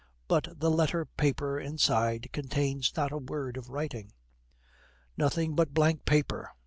But the letter paper inside contains not a word of writing. 'Nothing but blank paper!